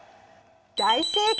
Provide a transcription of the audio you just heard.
大正解！